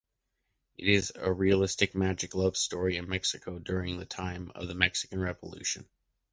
It is a realistic magical love story in Mexico during the time of the Mexican Revolution.